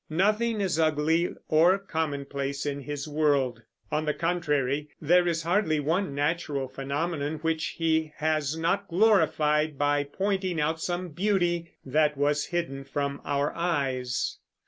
Nothing is ugly or commonplace in his world; on the contrary, there is hardly one natural phenomenon which he has not glorified by pointing out some beauty that was hidden from our eyes.